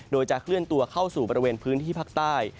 โดยจะเคลื่อนตัวเข้าสู่บริเวณพื้นที่ภาคใต้